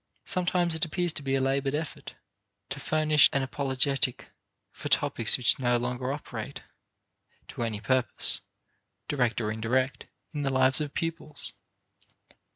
Sometimes it appears to be a labored effort to furnish an apologetic for topics which no longer operate to any purpose, direct or indirect, in the lives of pupils.